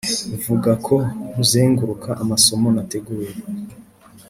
vuga ko nkuzenguruka amasomo nateguye,